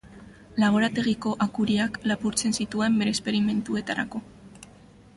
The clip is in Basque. Laborategiko akuriak lapurtzen zituen bere esperimentuetarako.